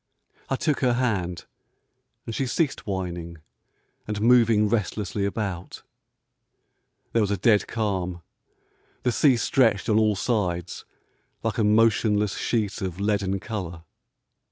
I took her hand, and she ceased whining and moving restlessly about. There was a dead calm. The sea stretched on all sides like a motionless sheet of leaden colour.